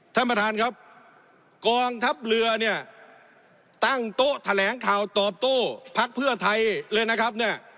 ท่านประธานครับกองทัพเรือเนี่ยตั้งโต๊ะแถลงข่าวตอบโต้พักเพื่อไทยเลยนะครับเนี่ย